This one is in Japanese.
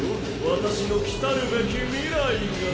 私の来たるべき未来が！